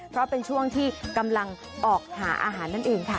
เพราะเป็นช่วงที่กำลังออกหาอาหารนั่นเองค่ะ